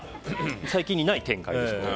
最近にない展開ですね。